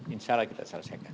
insya allah kita selesaikan